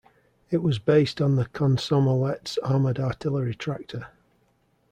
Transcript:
It was based on the Komsomolets armoured artillery tractor.